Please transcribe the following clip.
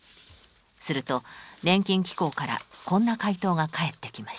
すると年金機構からこんな回答が返ってきました。